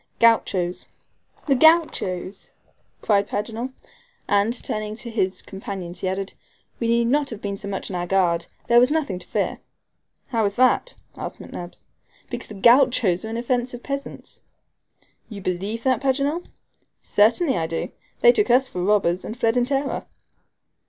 "Gauchos." "The Gauchos!" cried Paganel; and, turning to his companions, he added, "we need not have been so much on our guard; there was nothing to fear." "How is that?" asked McNabbs. "Because the Gauchos are inoffensive peasants." "You believe that, Paganel?" "Certainly I do. They took us for robbers, and fled in terror."